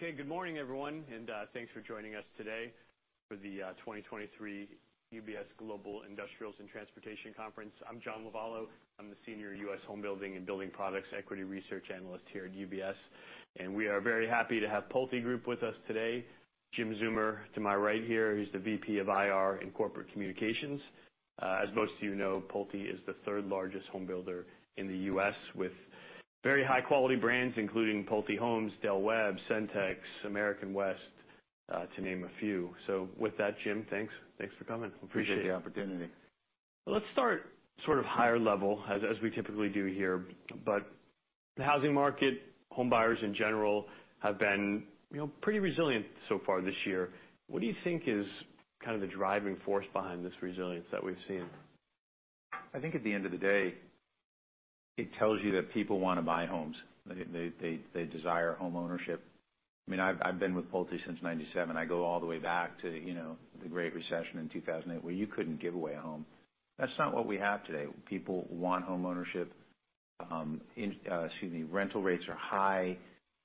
Good morning, everyone, and thanks for joining us today for the 2023 UBS Global Industrials and Transportation Conference. I'm John Lovallo. I'm the Senior U.S. Homebuilding and Building Products Equity Research Analyst here at UBS. We are very happy to have PulteGroup with us today. Jim Zeumer, to my right here, he's the VP of IR and Corporate Communications. As most of you know, Pulte is the third largest home builder in the U.S., with very high quality brands, including Pulte Homes, Del Webb, Centex, American West, to name a few. With that, Jim, thanks. Thanks for coming. Appreciate it. Appreciate the opportunity. The housing market, home buyers in general, have been, you know, pretty resilient so far this year. What do you think is kind of the driving force behind this resilience that we've seen? I think at the end of the day, it tells you that people wanna buy homes. They desire homeownership. I mean, I've been with Pulte since 97. I go all the way back to, you know, the Great Recession in 2008, where you couldn't give away a home. That's not what we have today. People want homeownership. Excuse me, rental rates are high,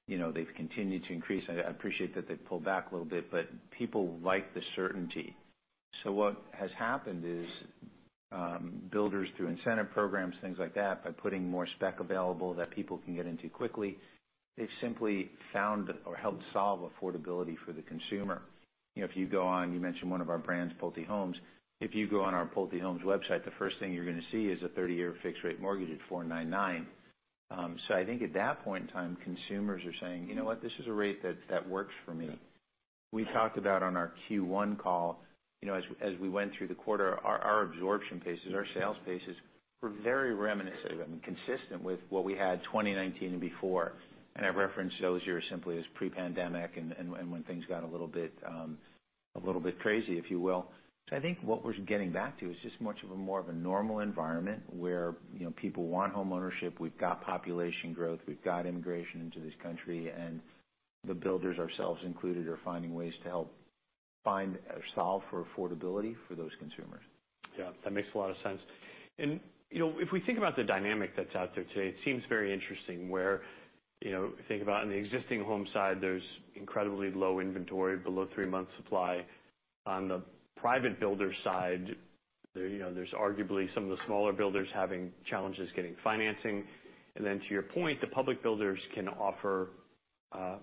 you know, they've continued to increase. I appreciate that they've pulled back a little bit, but people like the certainty. What has happened is, builders, through incentive programs, things like that, by putting more spec available that people can get into quickly, they've simply found or helped solve affordability for the consumer. You know, if you go on... You mentioned one of our brands, Pulte Homes. If you go on our Pulte Homes website, the first thing you're gonna see is a 30-year fixed-rate mortgage at 4.99%. I think at that point in time, consumers are saying, "You know what? This is a rate that works for me." We talked about on our Q1 call, you know, as we went through the quarter, our absorption paces, our sales paces were very reminiscent and consistent with what we had in 2019 and before. I referenced those years simply as pre-pandemic and when things got a little bit crazy, if you will. I think what we're getting back to is just much more of a normal environment, where, you know, people want homeownership, we've got population growth, we've got immigration into this country, and the builders, ourselves included, are finding ways to help find or solve for affordability for those consumers. That makes a lot of sense. You know, if we think about the dynamic that's out there today, it seems very interesting where, you know, think about on the existing home side, there's incredibly low inventory, below three months supply. On the private builder side, you know, there's arguably some of the smaller builders having challenges getting financing. To your point, the public builders can offer,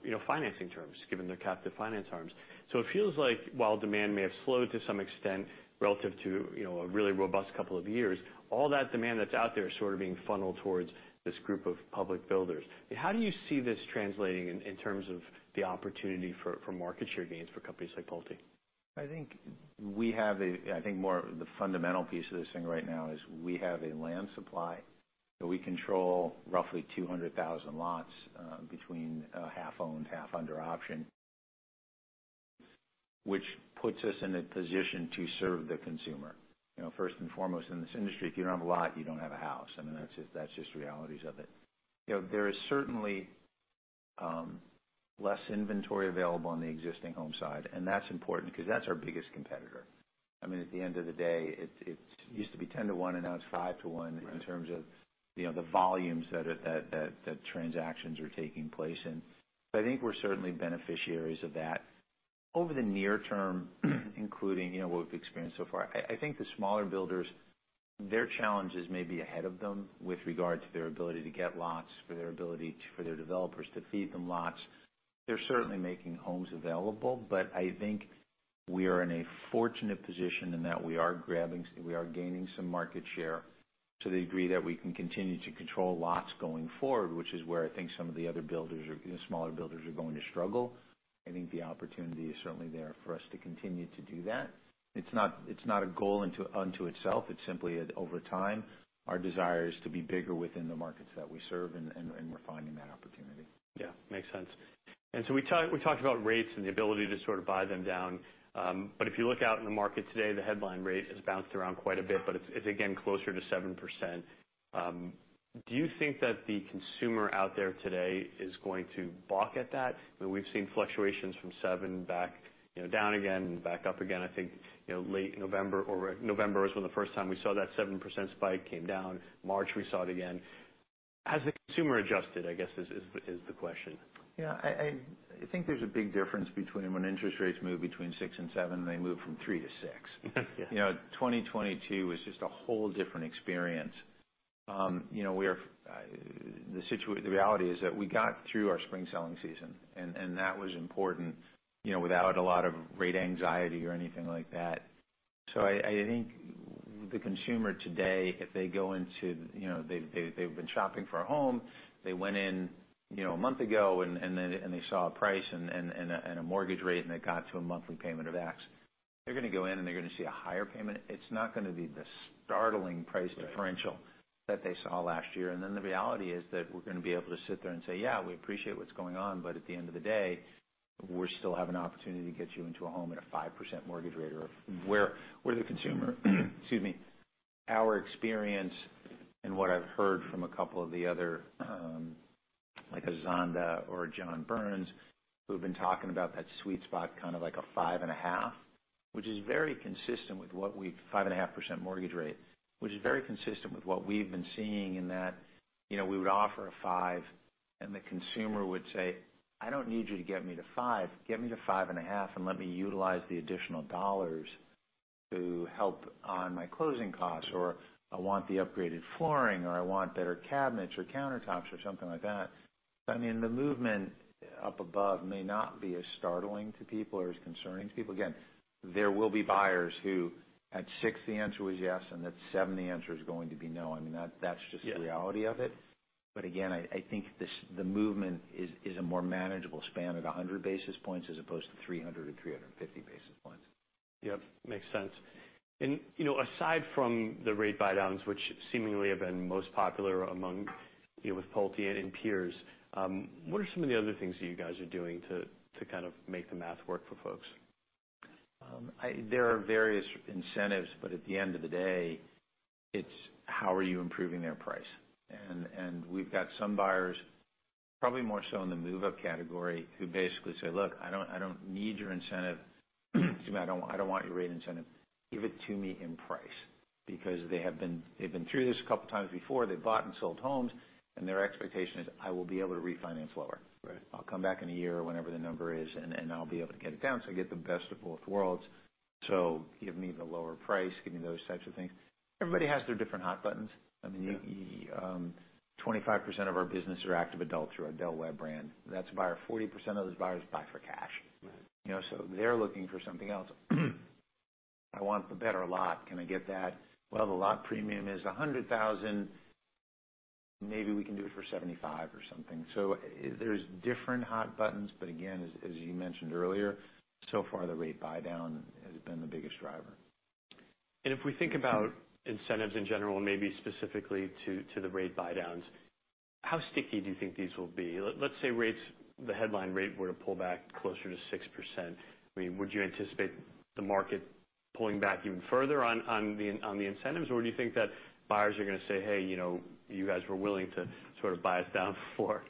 you know, financing terms, given their captive finance arms. It feels like while demand may have slowed to some extent relative to, you know, a really robust couple of years, all that demand that's out there is sort of being funneled towards this group of public builders. How do you see this translating in terms of the opportunity for market share gains for companies like Pulte? I think more the fundamental piece of this thing right now is we have a land supply, that we control roughly 200,000 lots, between half-owned, half under option, which puts us in a position to serve the consumer. You know, first and foremost, in this industry, if you don't have a lot, you don't have a house, and that's just the realities of it. You know, there is certainly less inventory available on the existing home side, and that's important because that's our biggest competitor. I mean, at the end of the day, it used to be 10 to one, and now it's five to one. Right... in terms of, you know, the volumes that transactions are taking place in. I think we're certainly beneficiaries of that. Over the near term, including, you know, what we've experienced so far, I think the smaller builders, their challenges may be ahead of them with regard to their ability to get lots, for their developers to feed them lots. They're certainly making homes available, but I think we are in a fortunate position in that we are grabbing, we are gaining some market share to the degree that we can continue to control lots going forward, which is where I think some of the other builders or the smaller builders are going to struggle. I think the opportunity is certainly there for us to continue to do that. It's not a goal unto itself. It's simply that over time, our desire is to be bigger within the markets that we serve, and we're finding that opportunity. Yeah, makes sense. We talked about rates and the ability to sort of buy them down. If you look out in the market today, the headline rate has bounced around quite a bit, but it's again closer to 7%. Do you think that the consumer out there today is going to balk at that? I mean, we've seen fluctuations from 7 back, you know, down again and back up again. I think, you know, late November or November was when the first time we saw that 7% spike, came down. March, we saw it again. Has the consumer adjusted, I guess, is the question? Yeah, I think there's a big difference between when interest rates move between six and seven, and they move from three to six. Yeah. You know, 2022 was just a whole different experience. You know, we are, the reality is that we got through our spring selling season, and that was important, you know, without a lot of rate anxiety or anything like that. I think the consumer today, if they go into... You know, they've been shopping for a home, they went in, you know, a month ago and then they saw a price and a mortgage rate, and they got to a monthly payment of X. They're gonna go in, and they're gonna see a higher payment. It's not gonna be the startling price differential. Right... that they saw last year. The reality is that we're gonna be able to sit there and say, "Yeah, we appreciate what's going on, but at the end of the day, we still have an opportunity to get you into a home at a 5% mortgage rate," or where the consumer, excuse me, our experience and what I've heard from a couple of the other, like a Zonda or a John Burns, who've been talking about that sweet spot, kind of like a 5.5%, which is very consistent with what we, 5.5% mortgage rate, which is very consistent with what we've been seeing in that, you know, we would offer a 5, and the consumer would say, "I don't need you to get me to five. Get me to 5.5%, and let me utilize the additional dollars to help on my closing costs," or, "I want the upgraded flooring," or, "I want better cabinets or countertops," or something like that. I mean, the movement up above may not be as startling to people or as concerning to people. Again, there will be buyers who, at 6%, the answer was yes, and at 7%, the answer is going to be no. I mean, that's just the reality of it. Again, I think the movement is a more manageable span at 100 basis points, as opposed to 300 to 350 basis points. Yep, makes sense. You know, aside from the rate buydowns, which seemingly have been most popular among, you know, with Pulte and in peers, what are some of the other things that you guys are doing to kind of make the math work for folks? There are various incentives, but at the end of the day, it's how are you improving their price? We've got some buyers, probably more so in the move-up category, who basically say: Look, I don't need your incentive. Excuse me. I don't want your rate incentive. Give it to me in price. They've been through this a couple times before. They've bought and sold homes, and their expectation is, "I will be able to refinance lower. Right. I'll come back in a year," or whenever the number is, "and I'll be able to get it down, so I get the best of both worlds. Give me the lower price. Give me those types of things." Everybody has their different hot buttons. Yeah. I mean, 25% of our business are active adults through our Del Webb brand. That's a buyer. 40% of those buyers buy for cash. Right. You know, they're looking for something else. I want the better lot. Can I get that? Well, the lot premium is $100,000. Maybe we can do it for $75,000 or something. There's different hot buttons, but again, as you mentioned earlier, so far, the rate buydown has been the biggest driver. If we think about incentives in general, maybe specifically to the rate buydowns, how sticky do you think these will be? Let's say rates, the headline rate, were to pull back closer to 6%, I mean, would you anticipate the market pulling back even further on the incentives? Or do you think that buyers are gonna say, "Hey, you know, you guys were willing to sort of buy us down before?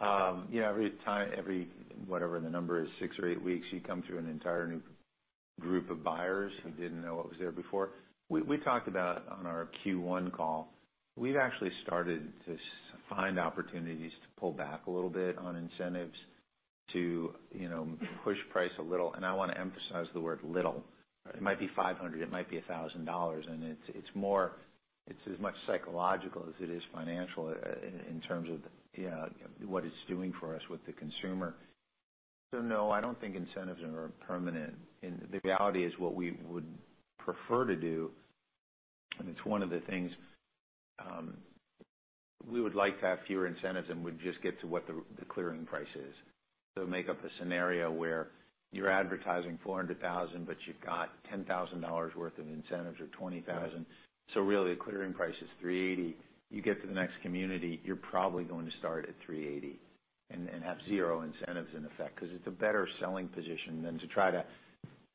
Yeah, every time, whatever the number is, six or eight weeks, you come through an entire new group of buyers who didn't know what was there before. We talked about on our Q1 call, we've actually started to find opportunities to pull back a little bit on incentives to, you know, push price a little, and I want to emphasize the word little. Right. It might be $500, it might be $1,000, and it's as much psychological as it is financial in terms of, you know, what it's doing for us with the consumer. No, I don't think incentives are permanent. The reality is, what we would prefer to do, and it's one of the things, we would like to have fewer incentives and would just get to what the clearing price is. Make up a scenario where you're advertising $400,000, but you've got $10,000 worth of incentives or $20,000. Right. Really, the clearing price is $380. You get to the next community, you're probably going to start at $380 and have 0 incentives, in effect, because it's a better selling position than to try to.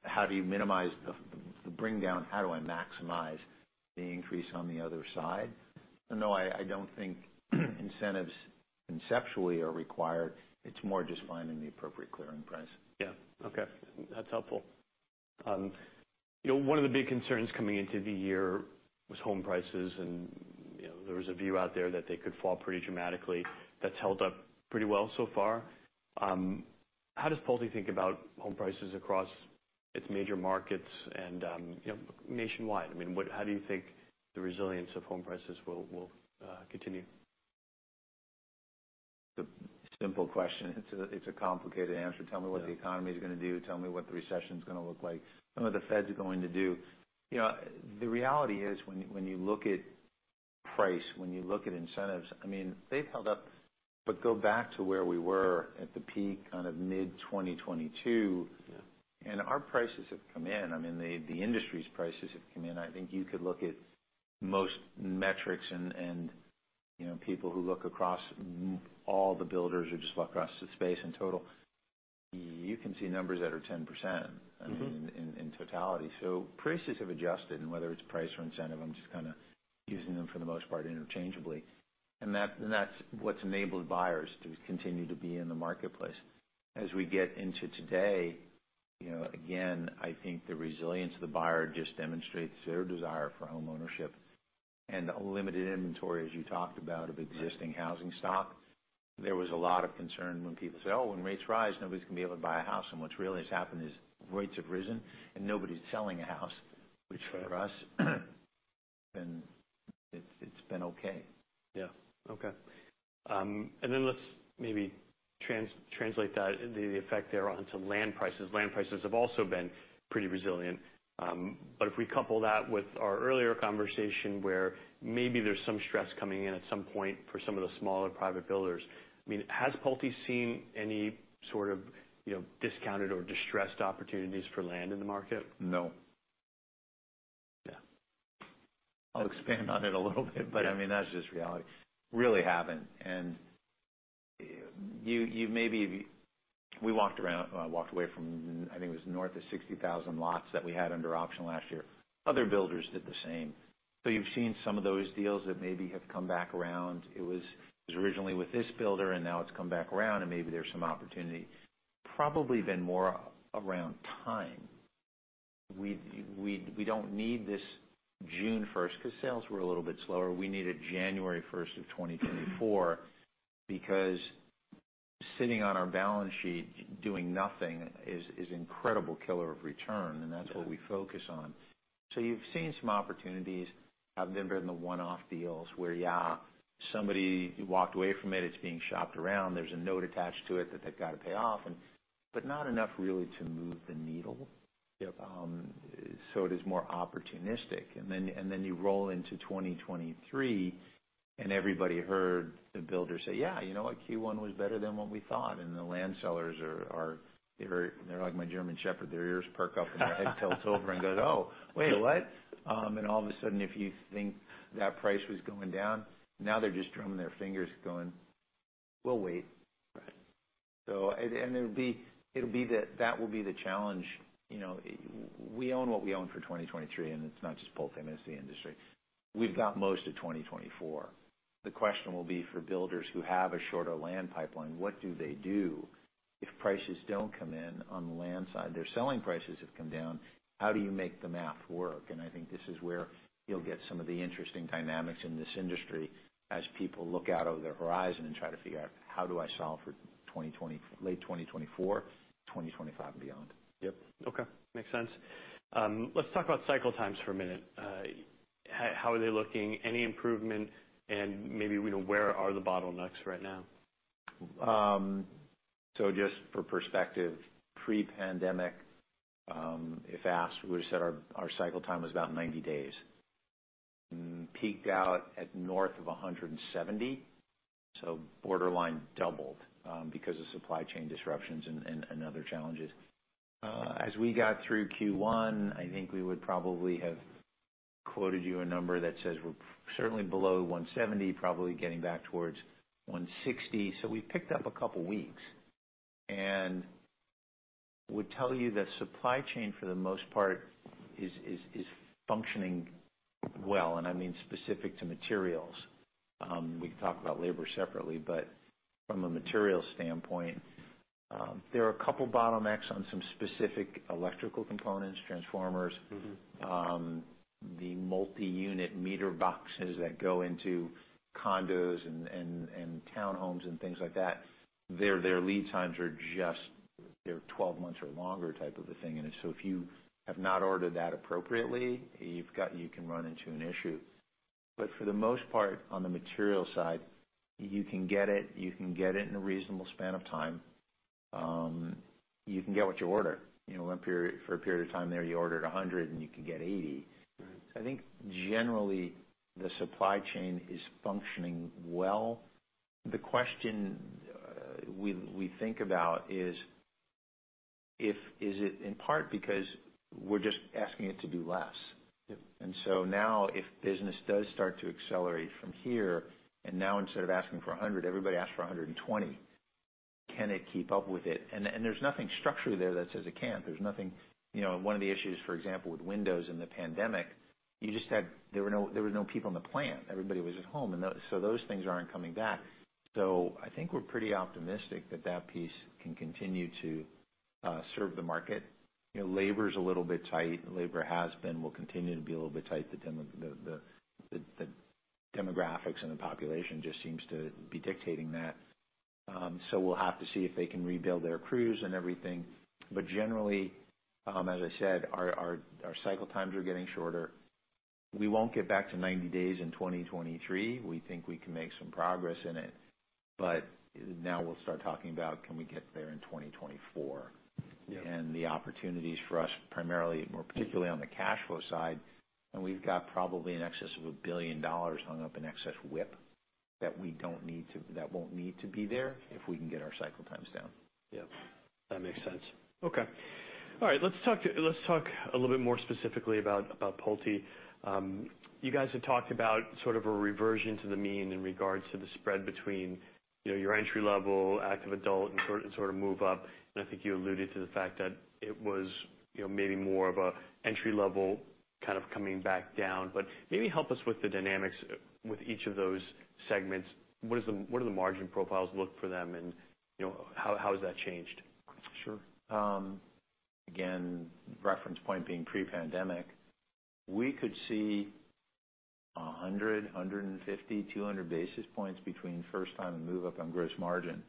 How do you minimize the bring down? How do I maximize the increase on the other side? No, I don't think incentives conceptually are required. It's more just finding the appropriate clearing price. Yeah. Okay. That's helpful. you know, one of the big concerns coming into the year was home prices, and, you know, there was a view out there that they could fall pretty dramatically. That's held up pretty well so far. how does Pulte think about home prices across its major markets and, you know, nationwide? I mean, how do you think the resilience of home prices will continue? It's a simple question. It's a complicated answer. Yeah. Tell me what the economy's gonna do, tell me what the recession's gonna look like, tell me what the Feds are going to do. You know, the reality is, when you look at price, when you look at incentives, I mean, they've held up. Go back to where we were at the peak, kind of mid-2022. Yeah... and our prices have come in. I mean, the industry's prices have come in. I think you could look at most metrics and, you know, people who look across all the builders or just look across the space in total, you can see numbers that are 10%. Mm-hmm... I mean, in totality. Prices have adjusted, and whether it's price or incentive, I'm just kind of using them for the most part interchangeably. That's what's enabled buyers to continue to be in the marketplace. As we get into today, you know, again, I think the resilience of the buyer just demonstrates their desire for homeownership and the limited inventory, as you talked about. Right... of existing housing stock. There was a lot of concern when people say, "Oh, when rates rise, nobody's gonna be able to buy a house." what's really has happened is rates have risen and nobody's selling a house. Right... which for us, then it's been okay. Yeah. Okay. Then let's maybe translate that, the effect there on to land prices. Land prices have also been pretty resilient. If we couple that with our earlier conversation, where maybe there's some stress coming in at some point for some of the smaller private builders, I mean, has Pulte seen any sort of, you know, discounted or distressed opportunities for land in the market? No. Yeah. I'll expand on it a little bit. Yeah I mean, that's just reality. Really haven't. You, we walked around, walked away from, I think it was north of 60,000 lots that we had under option last year. Other builders did the same. You've seen some of those deals that maybe have come back around. It was originally with this builder, and now it's come back around, and maybe there's some opportunity. Probably been more around time. We don't need this June 1st, because sales were a little bit slower. We need it January 1st of 2024, because sitting on our balance sheet doing nothing is incredible killer of return, and that's what we focus on. You've seen some opportunities, then been the one-off deals where, yeah, somebody walked away from it's being shopped around. There's a note attached to it that they've got to pay off. Not enough really to move the needle. Yep. It is more opportunistic. You roll into 2023, and everybody heard the builders say, "Yeah, you know what? Q1 was better than what we thought." The land sellers are they're like my German shepherd. Their ears perk up and their head tilts over and goes, "Oh, wait, what?" All of a sudden, if you think that price was going down, now they're just drumming their fingers going, "We'll wait. Right. It'll be the... That will be the challenge. You know, we own what we own for 2023, and it's not just Pulte, it's the industry. We've got most of 2024. The question will be for builders who have a shorter land pipeline, what do they do if prices don't come in on the land side? Their selling prices have come down. How do you make the math work? I think this is where you'll get some of the interesting dynamics in this industry as people look out over the horizon and try to figure out: How do I solve for late 2024, 2025, and beyond? Yep. Okay, makes sense. Let's talk about cycle times for a minute. How are they looking? Any improvement, and maybe, you know, where are the bottlenecks right now? Just for perspective, pre-pandemic, if asked, we would've said our cycle time was about 90 days. Peaked out at north of 170, borderline doubled because of supply chain disruptions and other challenges. As we got through Q1, I think we would probably have quoted you a number that says we're certainly below 170, probably getting back towards 160. We've picked up a couple weeks, and would tell you that supply chain, for the most part, is functioning well, and I mean, specific to materials. We can talk about labor separately, but from a materials standpoint, there are a couple bottlenecks on some specific electrical components, transformers- Mm-hmm. The multi-unit meter boxes that go into condos and townhomes and things like that, their lead times are just. They're 12 months or longer type of a thing. If you have not ordered that appropriately, you can run into an issue. For the most part, on the material side, you can get it, you can get it in a reasonable span of time. You can get what you order. You know, for a period of time there, you ordered 100, and you could get 80. Right. I think generally, the supply chain is functioning well. The question, we think about is if, is it in part because we're just asking it to do less? Yep. Now, if business does start to accelerate from here, and now instead of asking for 100, everybody asks for 120, can it keep up with it? There's nothing structurally there that says it can't. There's nothing. You know, one of the issues, for example, with windows in the pandemic, you just had there were no people in the plant. Everybody was at home, and those, so those things aren't coming back. I think we're pretty optimistic that that piece can continue to serve the market. You know, labor's a little bit tight. Labor has been, will continue to be a little bit tight. The demographics and the population just seems to be dictating that. So we'll have to see if they can rebuild their crews and everything. Generally, as I said, our cycle times are getting shorter. We won't get back to 90 days in 2023. We think we can make some progress in it, but now we'll start talking about can we get there in 2024? Yep. The opportunities for us, primarily, more particularly on the cash flow side, and we've got probably in excess of $1 billion hung up in excess WIP that won't need to be there if we can get our cycle times down. Yep, that makes sense. Okay. All right, let's talk a little bit more specifically about Pulte. You guys have talked about sort of a reversion to the mean in regards to the spread between, you know, your entry-level, active adult, and sort of move-up. I think you alluded to the fact that it was, you know, maybe more of a entry-level kind of coming back down. Maybe help us with the dynamics with each of those segments. What do the margin profiles look for them, and, you know, how has that changed? Sure. Again, reference point being pre-pandemic, we could see 100, 150, 200 basis points between first-time and move-up on gross margin.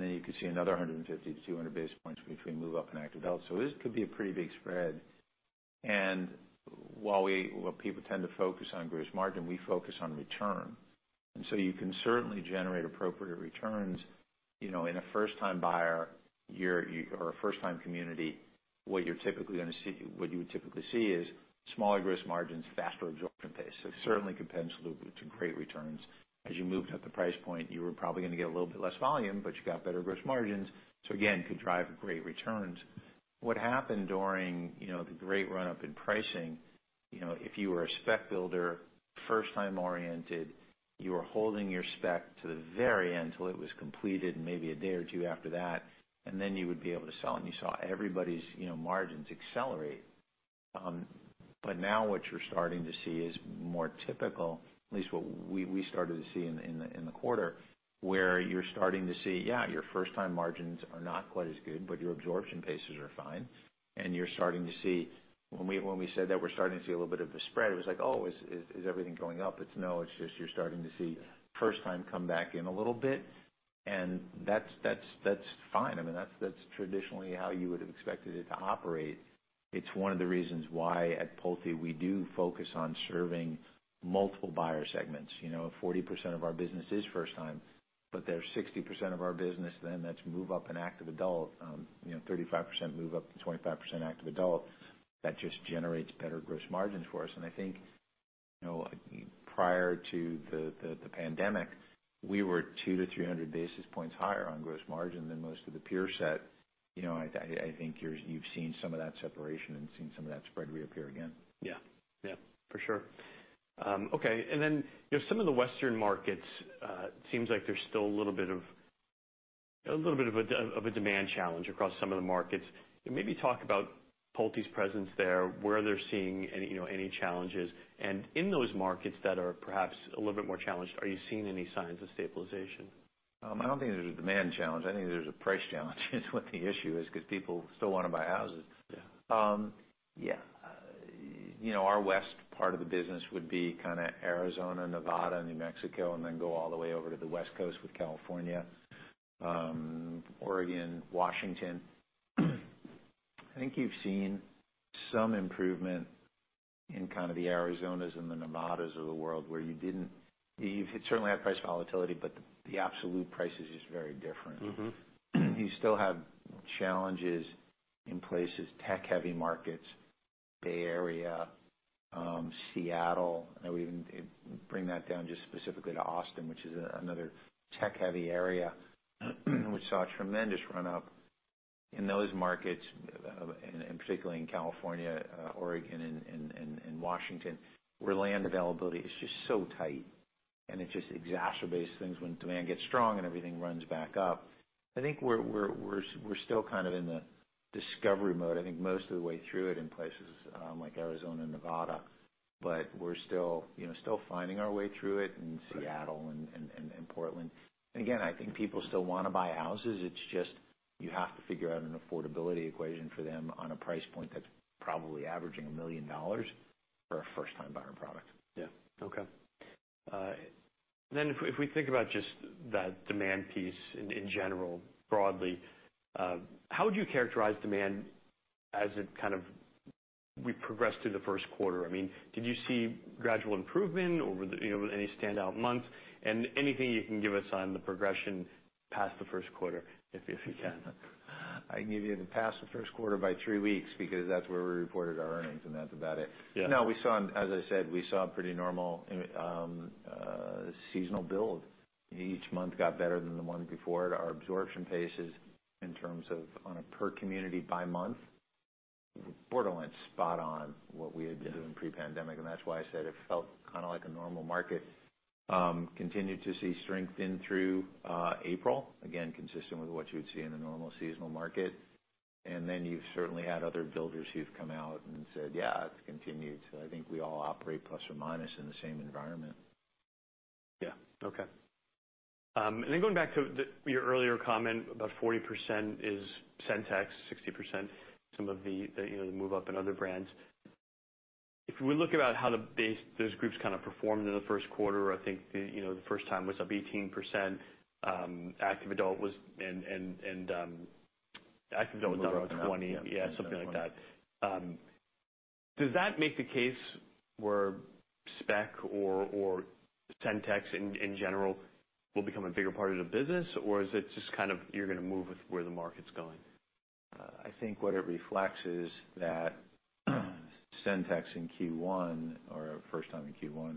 Then you could see another 150 to 200 basis points between move-up and active adult, so this could be a pretty big spread. While people tend to focus on gross margin, we focus on return. You can certainly generate appropriate returns, you know, in a first-time buyer, or a first-time community, what you would typically see is smaller gross margins, faster absorption pace. Sure. Certainly can pencil to great returns. As you moved up the price point, you were probably gonna get a little bit less volume, but you got better gross margins, again, could drive great returns. What happened during, you know, the great run-up in pricing, you know, if you were a spec builder first time oriented, you were holding your spec to the very end until it was completed, and maybe a day or two after that, and then you would be able to sell, and you saw everybody's, you know, margins accelerate. Now what you're starting to see is more typical, at least what we started to see in the quarter, where you're starting to see, yeah, your first time margins are not quite as good, but your absorption paces are fine. You're starting to see... When we said that we're starting to see a little bit of a spread, it was like, "Oh, is everything going up?" It's no, it's just you're starting to see first-time come back in a little bit, and that's fine. I mean, that's traditionally how you would have expected it to operate. It's one of the reasons why, at Pulte, we do focus on serving multiple buyer segments. You know, 40% of our business is first-time, but there's 60% of our business, then that's move-up and active adult, you know, 35% move-up to 25% active adult. That just generates better gross margins for us. I think, you know, prior to the pandemic, we were 200-300 basis points higher on gross margin than most of the peer set. You know, I think you've seen some of that separation and seen some of that spread reappear again. Yeah. Yeah, for sure. Okay, then, you know, some of the Western markets, seems like there's still a little bit of a demand challenge across some of the markets. Maybe talk about Pulte's presence there, where they're seeing any, you know, any challenges. In those markets that are perhaps a little bit more challenged, are you seeing any signs of stabilization? I don't think there's a demand challenge. I think there's a price challenge, is what the issue is, because people still want to buy houses. Yeah. Yeah. You know, our west part of the business would be kind of Arizona, Nevada, New Mexico, and then go all the way over to the West Coast with California, Oregon, Washington. I think you've seen some improvement in kind of the Arizonas and the Nevadas of the world, where You've certainly had price volatility, but the absolute price is just very different. Mm-hmm. You still have challenges in places, tech-heavy markets, Bay Area, Seattle. I would even bring that down just specifically to Austin, which is another tech-heavy area, which saw a tremendous run up in those markets, and particularly in California, Oregon, and Washington, where land availability is just so tight, and it just exacerbates things when demand gets strong and everything runs back up. I think we're still kind of in the discovery mode. I think most of the way through it in places, like Arizona and Nevada, but we're still, you know, still finding our way through it in Seattle. Right... and Portland. Again, I think people still want to buy houses. It's just, you have to figure out an affordability equation for them on a price point that's probably averaging $1 million for a first-time buyer product. Yeah. Okay. If we think about just that demand piece in general, broadly, how would you characterize demand as it kind of, we progress through the Q1? I mean, did you see gradual improvement over the, you know, any standout months? Anything you can give us on the progression past the Q1, if you can? I can give you the past the Q1 by three weeks, because that's where we reported our earnings, and that's about it. Yeah. No, we saw, as I said, we saw a pretty normal, seasonal build. Each month got better than the month before. Our absorption paces in terms of on a per community by month, borderline spot on what we had been doing pre-pandemic, and that's why I said it felt kind of like a normal market. Continued to see strength in through April, again, consistent with what you would see in a normal seasonal market. Then you've certainly had other builders who've come out and said, "Yeah, it's continued." I think we all operate plus or minus in the same environment. Yeah. Okay. Then going back to the, your earlier comment, about 40% is Centex, 60%, some of the, you know, the move up in other brands. If we look about how those groups kind of performed in the Q1, I think, you know, the first-time was up 18%, active adult was and, active adult was around 20%. Yeah. Yeah, something like that. Does that make the case where spec or Centex, in general, will become a bigger part of the business? Is it just kind of, you're going to move with where the market's going? I think what it reflects is that Centex in Q1 or first time in Q1,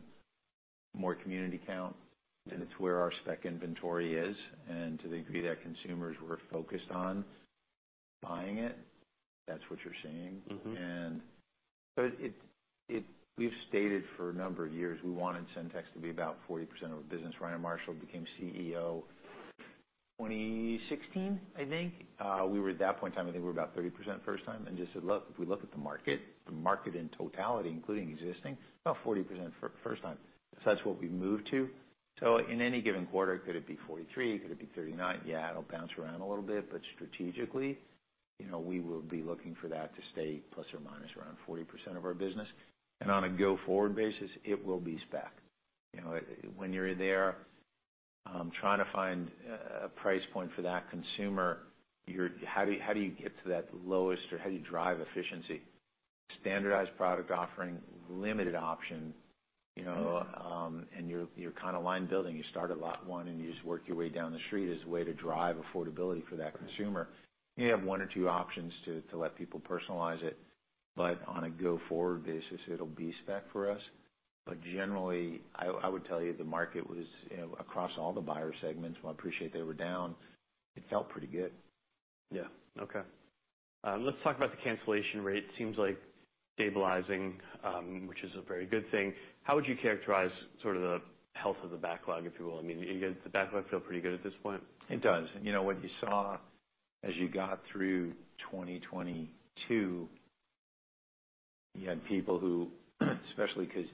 more community count, and it's where our spec inventory is, and to the degree that consumers were focused on buying it, that's what you're seeing. Mm-hmm. We've stated for a number of years, we wanted Centex to be about 40% of the business. Ryan Marshall became CEO, 2016, I think. We were, at that point in time, I think we were about 30% first-time and just said, "Look, if we look at the market, the market in totality, including existing, about 40% for first-time." That's what we moved to. In any given quarter, could it be 43? Could it be 39? Yeah, it'll bounce around a little bit, but strategically, you know, we will be looking for that to stay ± around 40% of our business. On a go-forward basis, it will be spec. You know, when you're there, trying to find a price point for that consumer, how do you, how do you get to that lowest or how do you drive efficiency? Standardized product offering, limited option, you know. Mm-hmm... and you're kind of line building. You start at lot one, and you just work your way down the street as a way to drive affordability for that consumer. You have one or two options to let people personalize it, but on a go-forward basis, it'll be spec for us. Generally, I would tell you the market was, you know, across all the buyer segments, while I appreciate they were down, it felt pretty good. Yeah. Okay. let's talk about the cancellation rate. Seems like stabilizing, which is a very good thing. How would you characterize sort of the health of the backlog, if you will? I mean, does the backlog feel pretty good at this point? It does. You know, what you saw as you got through 2022, you had people who, especially because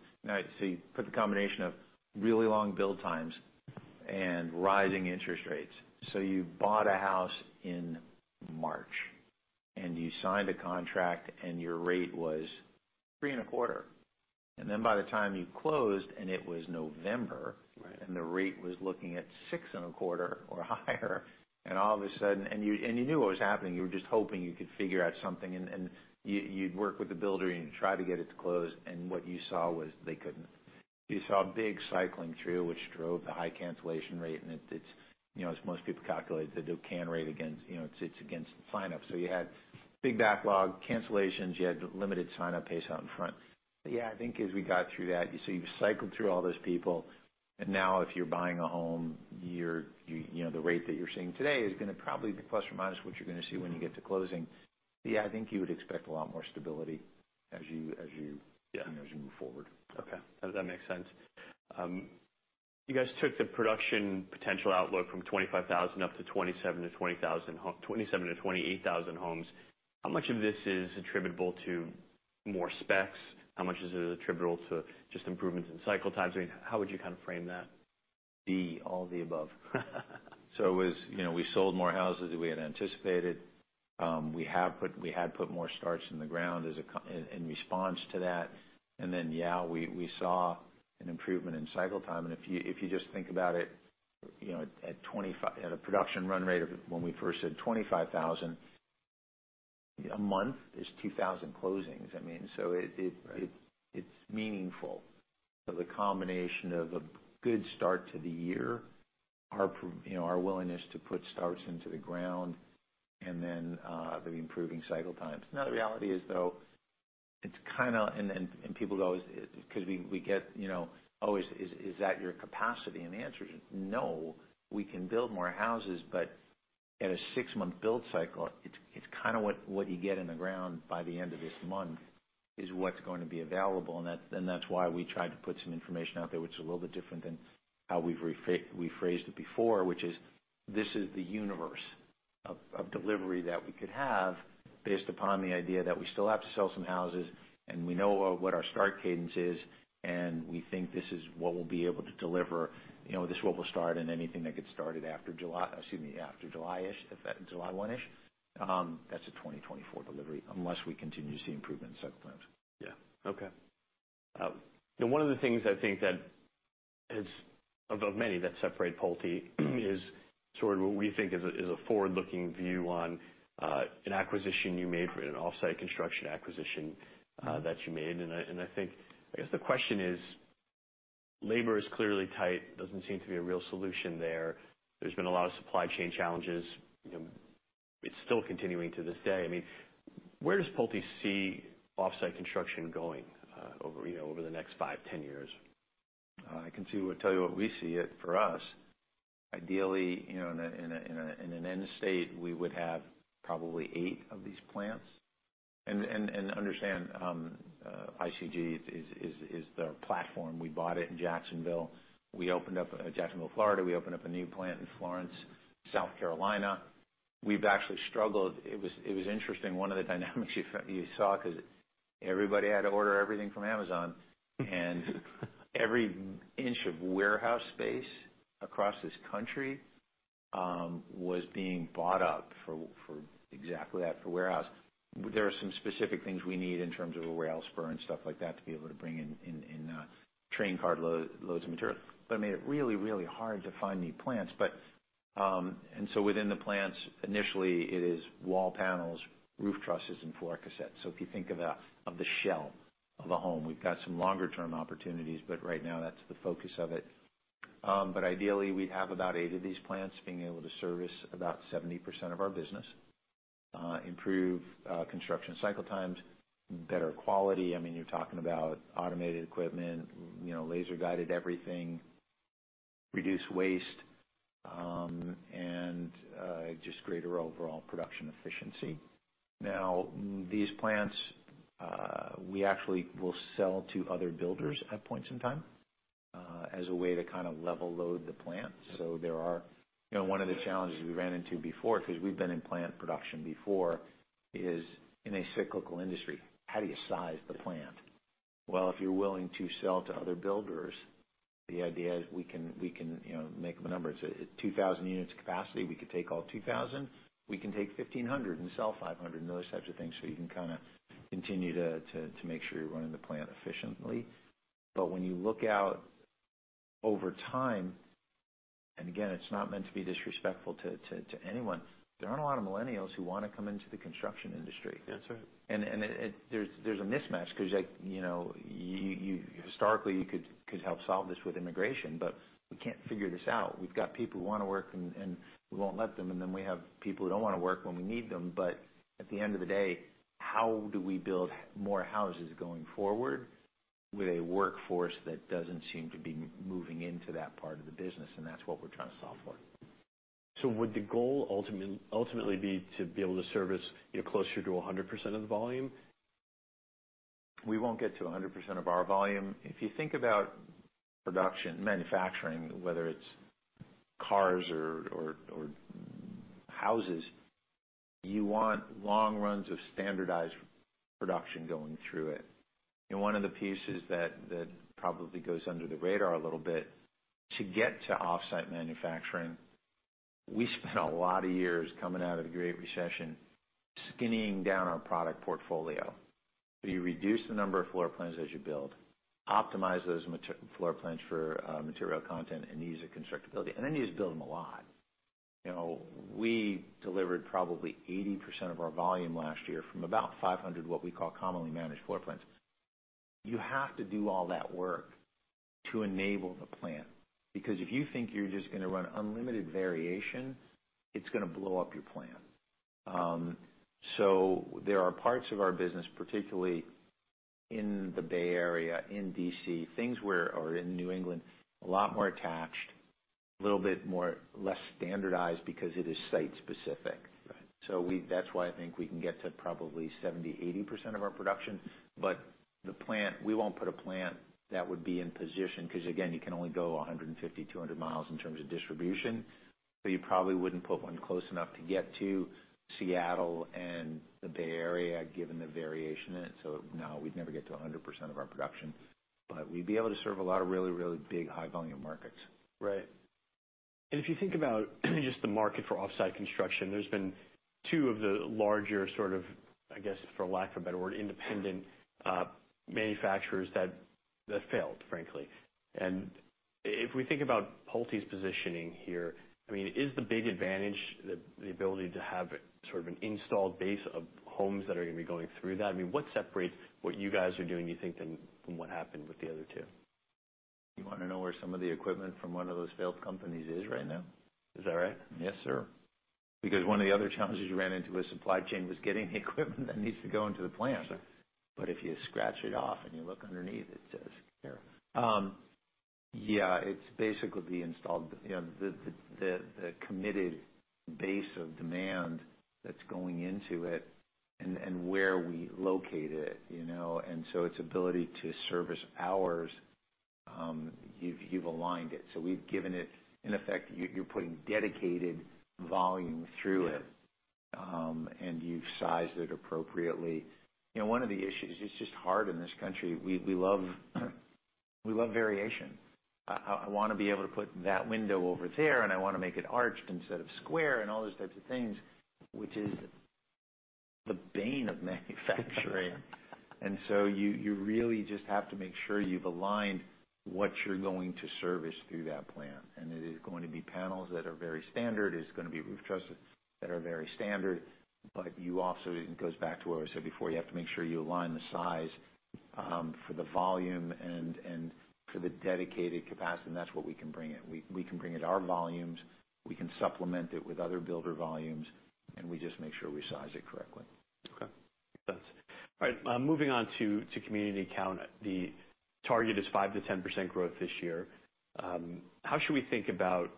you put the combination of really long build times and rising interest rates. You bought a house in March, and you signed a contract, and your rate was three and a quarter. By the time you closed, and it was November... Right. The rate was looking at 6.25% or higher, all of a sudden. You knew what was happening. You were just hoping you could figure out something, and you'd work with the builder, and you'd try to get it to close, and what you saw was they couldn't. You saw a big cycling through, which drove the high cancellation rate, and it's, you know, as most people calculate, the cancellation rate against, you know, it's against the sign-ups. You had big backlog cancellations. You had limited sign-up pace out in front. I think as we got through that, you see, you've cycled through all those people, and now if you're buying a home, you're, you know, the rate that you're seeing today is gonna probably be plus or minus what you're gonna see when you get to closing. I think you would expect a lot more stability as you. Yeah. you know, as you move forward. Okay. That makes sense. You guys took the production potential outlook from 25,000 up to 27,000-28,000 homes. How much of this is attributable to more specs? How much is it attributable to just improvements in cycle times? I mean, how would you kind of frame that? D, all the above. It was. You know, we sold more houses than we had anticipated. We had put more starts in the ground in response to that. We saw an improvement in cycle time. If you just think about it, you know, at a production run rate of when we first said 25,000, a month is 2,000 closings. I mean. Right it's meaningful. The combination of a good start to the year, our you know, our willingness to put starts into the ground and then the improving cycle times. The reality is, though, it's kind of... People always, because we get, you know, "Oh, is that your capacity?" The answer is no, we can build more houses, but at a six-month build cycle, it's kind of what you get in the ground by the end of this month is what's going to be available. That's why we tried to put some information out there, which is a little bit different than how we've rephrased it before, which is this is the universe of delivery that we could have, based upon the idea that we still have to sell some houses, and we know what our start cadence is, and we think this is what we'll be able to deliver. You know, this is what we'll start, anything that gets started after July, excuse me, after July-ish, July one-ish, that's a 2024 delivery, unless we continue to see improvement in cycle times. Yeah. Okay. you know, one of the things I think that is, of many that separate Pulte, is sort of what we think is a, is a forward-looking view on an acquisition you made for an off-site construction acquisition that you made. And I, and I think, I guess the question is: labor is clearly tight. Doesn't seem to be a real solution there. There's been a lot of supply chain challenges. You know, it's still continuing to this day. I mean, where does Pulte see off-site construction going over, you know, over the next five, 10 years? I can see. Tell you what we see it for us. Ideally, you know, in an end state, we would have probably eight of these plants. Understand, ICG is the platform. We bought it in Jacksonville. We opened up Jacksonville, Florida. We opened up a new plant in Florence, South Carolina. We've actually struggled. It was interesting, one of the dynamics you saw, because everybody had to order everything from Amazon. Every inch of warehouse space across this country was being bought up for exactly that, for warehouse. There are some specific things we need in terms of a rail spur and stuff like that to be able to bring in train carload, loads of material. It made it really, really hard to find new plants. Within the plants, initially, it is wall panels, roof trusses, and floor cassettes. If you think of the shell of a home, we've got some longer-term opportunities, but right now that's the focus of it. Ideally, we'd have about 8 of these plants being able to service about 70% of our business, improve construction cycle times, better quality. I mean, you're talking about automated equipment, you know, laser-guided everything, reduce waste, and just greater overall production efficiency. These plants, we actually will sell to other builders at points in time, as a way to kind of level load the plant. There are... You know, one of the challenges we ran into before, because we've been in plant production before, is in a cyclical industry, how do you size the plant? If you're willing to sell to other builders, the idea is we can, you know, make up the numbers. At 2,000 units of capacity, we could take all 2,000. We can take 1,500 and sell 500 and those types of things. You can kind of continue to make sure you're running the plant efficiently. When you look out over time, and again, it's not meant to be disrespectful to anyone, there aren't a lot of millennials who want to come into the construction industry. That's right. There's a mismatch because, like, you know, you historically, you could help solve this with immigration, we can't figure this out. We've got people who want to work, and we won't let them, we have people who don't want to work when we need them. At the end of the day, how do we build more houses going forward? with a workforce that doesn't seem to be moving into that part of the business, that's what we're trying to solve for. Would the goal ultimately be to be able to service you closer to 100% of the volume? We won't get to 100% of our volume. If you think about production, manufacturing, whether it's cars or houses, you want long runs of standardized production going through it. One of the pieces that probably goes under the radar a little bit, to get to off-site manufacturing, we spent a lot of years coming out of the Great Recession, skinnying down our product portfolio. You reduce the number of floor plans as you build, optimize those floor plans for material content and ease of constructability, and then you just build them a lot. You know, we delivered probably 80% of our volume last year from about 500, what we call commonly managed floor plans. You have to do all that work to enable the plant, because if you think you're just gonna run unlimited variation, it's gonna blow up your plant. There are parts of our business, particularly in the Bay Area, in D.C., things or in New England, a lot more attached, a little bit more less standardized because it is site specific. Right. That's why I think we can get to probably 70%, 80% of our production. The plant, we won't put a plant that would be in position, because again, you can only go 150, 200 miles in terms of distribution. You probably wouldn't put one close enough to get to Seattle and the Bay Area, given the variation in it. No, we'd never get to 100% of our production, but we'd be able to serve a lot of really, really big, high volume markets. Right. If you think about just the market for off-site construction, there's been two of the larger sort of, I guess, for lack of a better word, independent manufacturers that failed, frankly. If we think about Pulte's positioning here, I mean, is the big advantage the ability to have sort of an installed base of homes that are gonna be going through that? I mean, what separates what you guys are doing, you think, than what happened with the other two? You wanna know where some of the equipment from one of those failed companies is right now? Is that right? Yes, sir. One of the other challenges you ran into with supply chain was getting the equipment that needs to go into the plant. Sure. If you scratch it off and you look underneath, it says there. Yeah, it's basically the installed, you know, the committed base of demand that's going into it and where we locate it, you know, and so its ability to service ours, you've aligned it. We've given it... In effect, you're putting dedicated volume through it, and you've sized it appropriately. You know, one of the issues, it's just hard in this country. We love variation. I wanna be able to put that window over there, and I wanna make it arched instead of square, and all those types of things, which is the bane of manufacturing. You really just have to make sure you've aligned what you're going to service through that plant. It is going to be panels that are very standard, it's gonna be roof trusses that are very standard, you also, it goes back to what I said before, you have to make sure you align the size for the volume and for the dedicated capacity, that's what we can bring in. We can bring in our volumes, we can supplement it with other builder volumes, we just make sure we size it correctly. Okay. Makes sense. All right, moving on to community count. The target is 5%-10% growth this year. How should we think about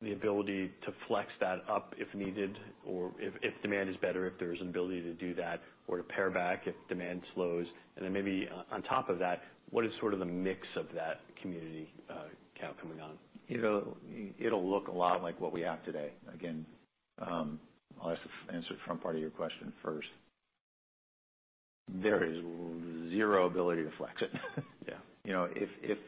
the ability to flex that up, if needed, or if demand is better, if there's an ability to do that, or to pare back if demand slows? Maybe on top of that, what is sort of the mix of that community count coming on? It'll look a lot like what we have today. I'll ask to answer the front part of your question first. There is zero ability to flex it. Yeah. You know, if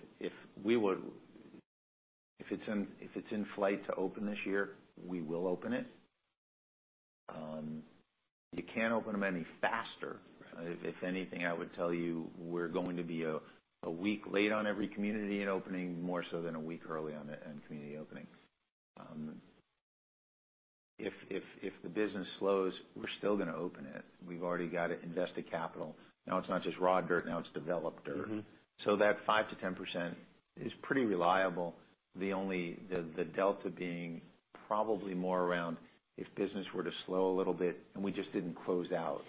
it's in flight to open this year, we will open it. You can't open them any faster. Right. If anything, I would tell you, we're going to be a week late on every community in opening, more so than a week early on any community opening. If the business slows, we're still gonna open it. We've already got it invested capital. Now, it's not just raw dirt, now it's developed dirt. Mm-hmm. That 5%-10% is pretty reliable. The delta being probably more around if business were to slow a little bit, and we just didn't close out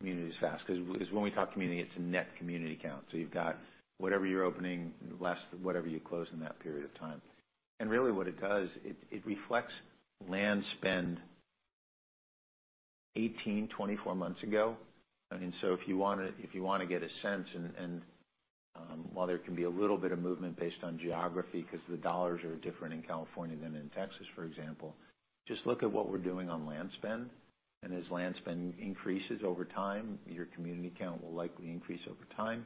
communities as fast. Because when we talk community, it's a net community count. You've got whatever you're opening, less whatever you close in that period of time. Really, what it does, it reflects land spend 18-24 months ago. I mean, if you wanna get a sense, and while there can be a little bit of movement based on geography, because the dollars are different in California than in Texas, for example, just look at what we're doing on land spend. As land spend increases over time, your community count will likely increase over time.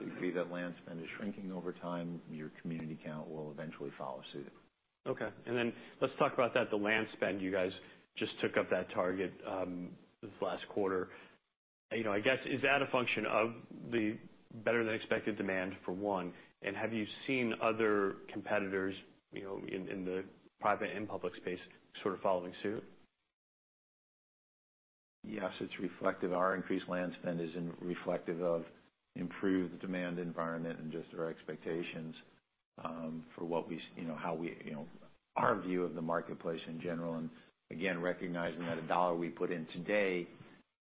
If you see that land spend is shrinking over time, your community count will eventually follow suit. Okay. Let's talk about that, the land spend. You guys just took up that target, this last quarter. You know, I guess, is that a function of the better-than-expected demand, for one, and have you seen other competitors, you know, in the private and public space, sort of following suit? Yes, it's reflective. Our increased land spend is reflective of improved demand environment and just our expectations for what we, you know, how we, you know, our view of the marketplace in general, and again, recognizing that $1 we put in today,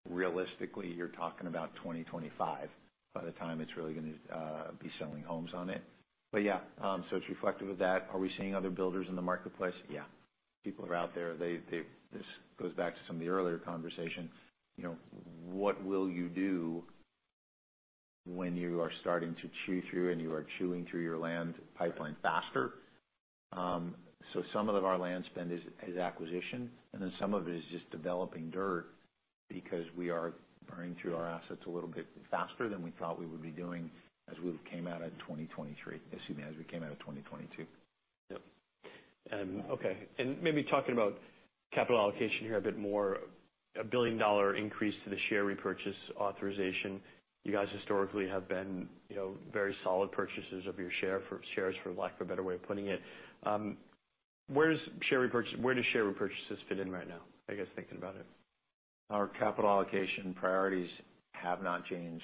realistically, you're talking about 2025 by the time it's really gonna be selling homes on it. Yeah, so it's reflective of that. Are we seeing other builders in the marketplace? Yeah. People are out there. They, this goes back to some of the earlier conversation. You know, what will you do when you are starting to chew through and you are chewing through your land pipeline faster? Some of our land spend is acquisition, and then some of it is just developing dirt because we are burning through our assets a little bit faster than we thought we would be doing as we came out of 2023. Excuse me, as we came out of 2022. Yep. okay. Maybe talking about capital allocation here a bit more. A $1 billion increase to the share repurchase authorization. You guys historically have been, you know, very solid purchasers of your share, for shares, for lack of a better way of putting it. Where do share repurchases fit in right now, I guess, thinking about it? Our capital allocation priorities have not changed,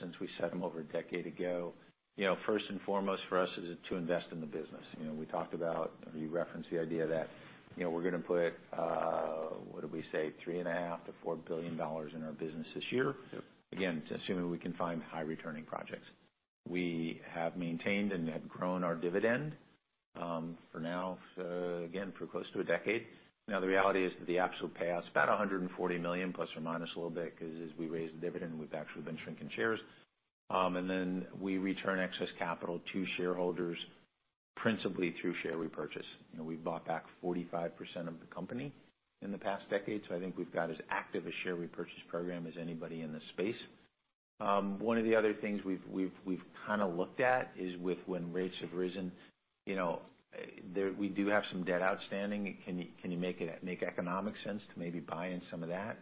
since we set them over a decade ago. You know, first and foremost for us is to invest in the business. You know, we talked about, or you referenced the idea that, you know, we're gonna put, what did we say? Three and a half to $4 billion in our business this year. Yep. Again, assuming we can find high-returning projects. We have maintained and have grown our dividend, for now, again, for close to a decade. The reality is that the absolute payout is about $140 million, plus or minus a little bit, because as we raise the dividend, we've actually been shrinking shares. Then we return excess capital to shareholders, principally through share repurchase. You know, we've bought back 45% of the company in the past decade, I think we've got as active a share repurchase program as anybody in this space. One of the other things we've kind of looked at is with when rates have risen, you know, we do have some debt outstanding. Can you make it, make economic sense to maybe buy in some of that?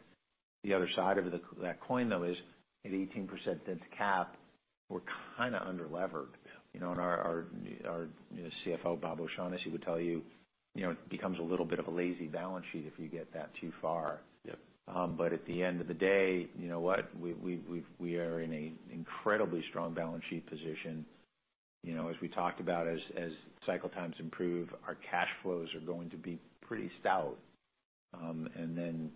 The other side of that coin, though, is at 18% debt to cap, we're kind of underlevered. Yeah. You know, our CFO, Bob O'Shaughnessy, would tell you know, it becomes a little bit of a lazy balance sheet if you get that too far. Yep. At the end of the day, you know what? We are in an incredibly strong balance sheet position. You know, as we talked about, as cycle times improve, our cash flows are going to be pretty stout.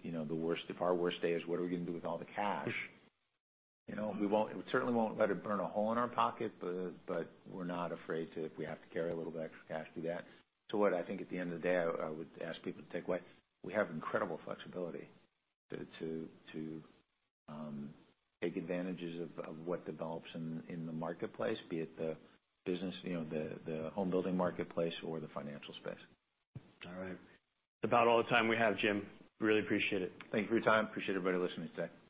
You know, the worst if our worst day is what are we going to do with all the cash? You know, we won't, we certainly won't let it burn a hole in our pocket, but we're not afraid to, if we have to carry a little bit of extra cash, do that. What I think at the end of the day, I would ask people to take away, we have incredible flexibility to take advantages of what develops in the marketplace, be it the business, you know, the home building marketplace or the financial space. All right. About all the time we have, Jim. Really appreciate it. Thank you for your time. Appreciate everybody listening today.